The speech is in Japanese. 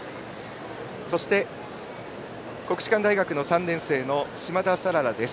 そして、国士舘大学３年生の嶋田さららです。